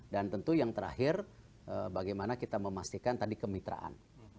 dan tentu yang terakhir bagaimana kita memastikan tadi kemitraan